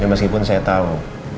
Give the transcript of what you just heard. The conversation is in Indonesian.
ya meskipun saya tahu